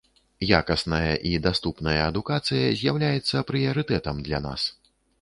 Якасная і даступная адукацыя з'яўляецца прыярытэтам для нас.